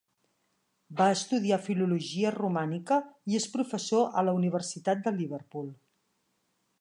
Va estudiar Filologia Romànica i és professor a la Universitat de Liverpool.